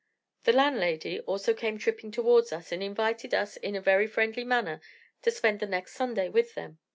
The landlady also came tripping towards us, and invited us, in a very friendly manner, to spend the next Sunday with them.